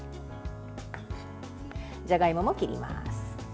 じゃがいもも切ります。